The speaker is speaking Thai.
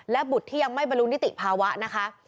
และบุตรที่ยังไม่บรรลุนิติภาวะนะคะ